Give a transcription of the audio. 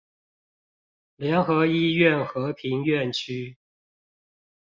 聯合醫院和平院區